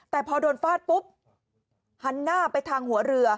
แต่พอโดนฟาดปุ๊บหันหน้าไปทางหัวเรือ